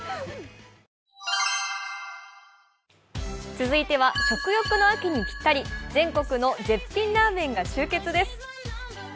続いては食欲の秋にぴったり、全国の絶品ラーメンが集結です。